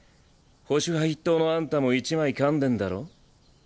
保守派筆頭のあんたも一枚かんでんだろ？